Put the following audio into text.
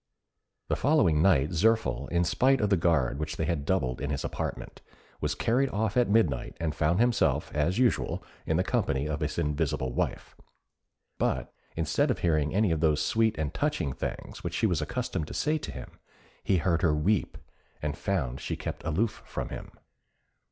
The following night Zirphil, in spite of the guard which they had doubled in his apartment, was carried off at midnight, and found himself, as usual, in the company of his invisible wife; but instead of hearing any of those sweet and touching things which she was accustomed to say to him, he heard her weep, and found she kept aloof from him.